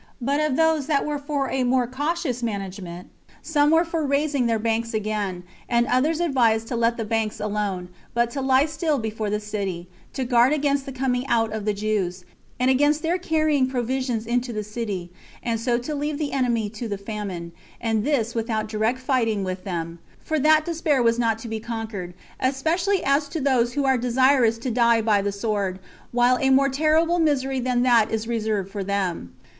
But of those that were for a more cautious management, some were for raising their banks again; and others advised to let the banks alone, but to lie still before the city, to guard against the coming out of the Jews, and against their carrying provisions into the city, and so to leave the enemy to the famine, and this without direct fighting with them; for that despair was not to be conquered, especially as to those who are desirous to die by the sword, while a more terrible misery than that is reserved for them.